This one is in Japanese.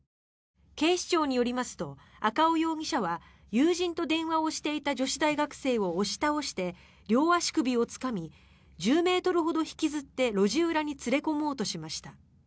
警視庁によりますと赤尾容疑者は友人と電話をしていた女子大学生を押し倒して両足首をつかみ１０ｍほど引きずって路地裏に連れ込もうとしました。